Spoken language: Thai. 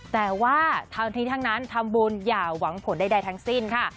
แต่ว่าทั้งนี้ทั้งนั้นทำบุญอย่าหวังผลใดทั้งสิ้นค่ะ